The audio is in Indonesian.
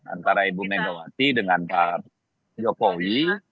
antara ibu megawati dengan pak jokowi